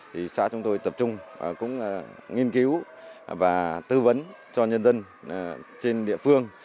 thì xã chúng tôi tập trung cũng nghiên cứu và tư vấn cho nhân dân trên địa phương